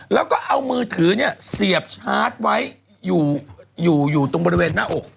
แล้วก็เอามือถือเสียบชาร์จไว้อยู่ตรงบริเวณหน้าอก